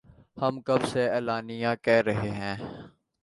ہم کب سے اعلانیہ کہہ رہے ہیں